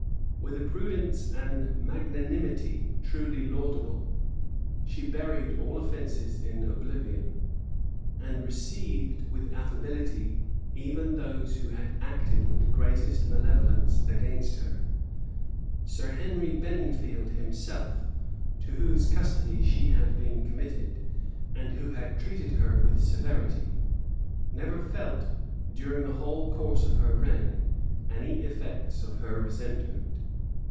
With a prudence and magnanimity truly laudable, she buried all offences in oblivion, and received with affability even those who had acted with the greatest malevolence against her. Sir Henry Benningfield himself, to whose custody she had been committed, and who had treated her with severity, never felt, during the whole course of her reign, any effects of her resentment.